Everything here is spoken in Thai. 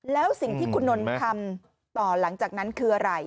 แล้วสิ่งที่คุณนนท์ทำต่อหลังจากนั้นคืออะไร